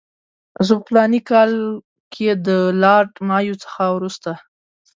زه په فلاني کال کې د لارډ مایو څخه وروسته.